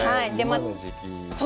今の時期。